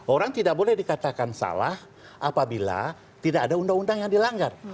orang tidak boleh dikatakan salah apabila tidak ada undang undang yang dilanggar